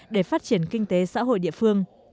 để phát triển kinh tế xã hội địa phương